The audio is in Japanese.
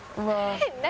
「何？